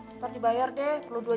ntar dibayar deh